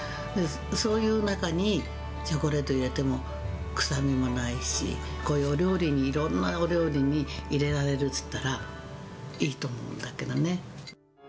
そういう中に、チョコレート入れても、臭みもないし、こういうお料理に、いろんなお料理に入れられるっていったらいいと思うんだけどね。